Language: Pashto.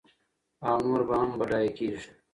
او نور به هم بډایه کېږي.